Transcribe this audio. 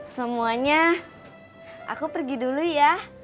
semuanya aku pergi dulu ya